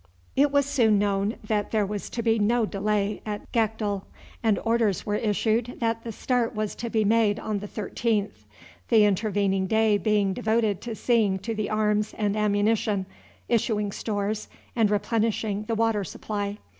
It was soon known that there was to be no delay at Gakdul, and orders were issued that the start was to be made on the 13th; the intervening day being devoted to seeing to the arms and ammunition, issuing stores, and replenishing the water supply.